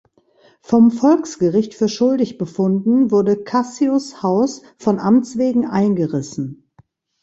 Vom Volksgericht für schuldig befunden wurde Cassius’ Haus von Amts wegen eingerissen.